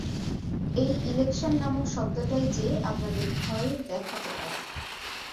এই ইলেকশন নামক শব্দটাই যে আপনাদের ভয় দেখাতে পারে।